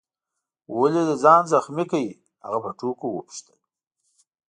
ولي دي ځان زخمي کړ؟ هغه په ټوکو وپوښتل.